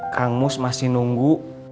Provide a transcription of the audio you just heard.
kang mus masih nunggu